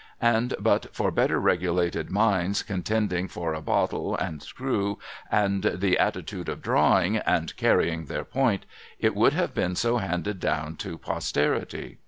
And but for better regulated minds contending for a bottle and screw and the attitude of drawing, — and carrying their point, — it would have been so handed down to posterity.